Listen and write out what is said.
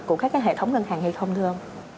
của các hệ thống ngân hàng hay không thưa ông